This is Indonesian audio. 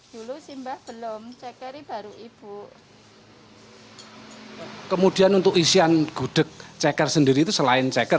dulu simba belum cekeri baru ibu hai kemudian untuk isian gudeg ceker sendiri itu selain ceker